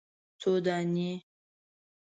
_څو دانې ؟